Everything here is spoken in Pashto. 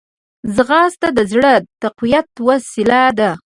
ځغاسته د زړه د تقویت وسیله ده